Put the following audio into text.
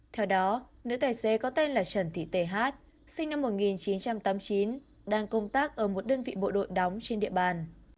theo đó nữ tài xế có tên là trần thị th sinh năm một nghìn chín trăm tám mươi chín đang công tác ở một đơn vị bộ đội đóng trên địa bàn